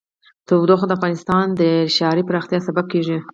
تودوخه د افغانستان د ښاري پراختیا سبب کېږي.